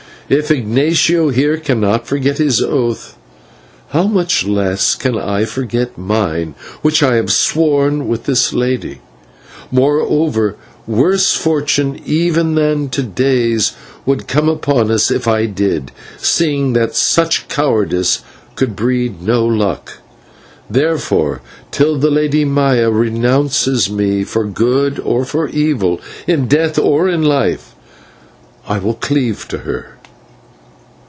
If Ignatio here cannot forget his oath, how much less can I forget mine, which I have sworn with this lady. Moreover, worse fortune even than to day's would come upon us if I did, seeing that such cowardice could breed no luck. Therefore, till the Lady Maya renounces me, for good or for evil, in death or in life, I will cleave to her."